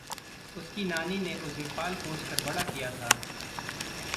उसकी नानी ने उसे पाल-पोस कर बड़ा किया था।